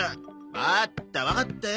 わーったわかったよ！